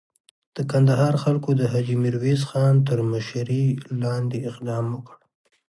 د کندهار خلکو د حاجي میرویس خان تر مشري لاندې اقدام وکړ.